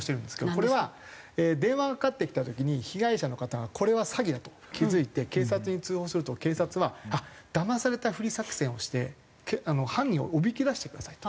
これは電話がかかってきた時に被害者の方がこれは詐欺だと気付いて警察に通報すると警察はだまされたふり作戦をして犯人をおびき出してくださいと。